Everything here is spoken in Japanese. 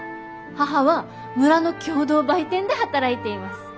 母は村の共同売店で働いています。